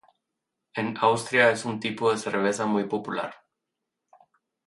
En Austria es un tipo de cerveza muy popular.